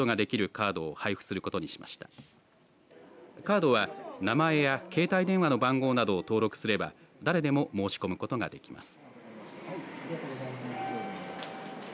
カードは名前や携帯電話の番号などを登録すれば誰でも申し込むことができます。